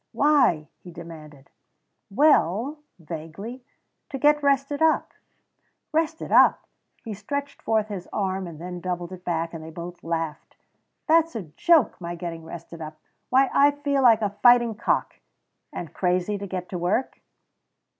"Why?" he demanded. "Well," vaguely "to get rested up." "Rested up!" He stretched forth his arm and then doubled it back, and they both laughed. "That's a joke my getting rested up. Why I feel like a fighting cock!" "And crazy to get to work?"